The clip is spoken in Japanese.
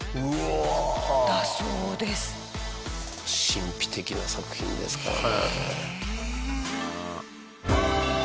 神秘的な作品ですからね。